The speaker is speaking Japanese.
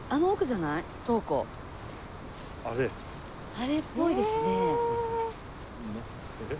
あれっぽいですね。